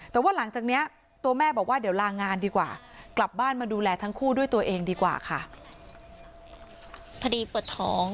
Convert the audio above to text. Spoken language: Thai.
แต่ว่าหลังจากเนี้ย